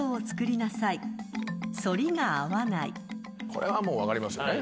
これはもう分かりますよね。